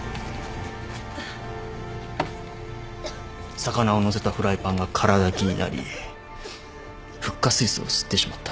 魚をのせたフライパンが空だきになりフッ化水素を吸ってしまった。